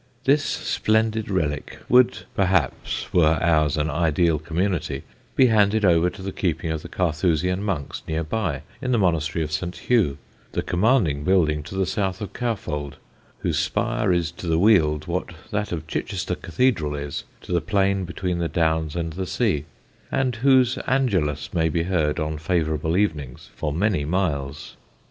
This splendid relic would, perhaps, were ours an ideal community, be handed over to the keeping of the Carthusian monks near by, in the Monastery of St. Hugh, the commanding building to the south of Cowfold, whose spire is to the Weald what that of Chichester Cathedral is to the plain between the Downs and the sea, and whose Angelus may be heard, on favourable evenings, for many miles.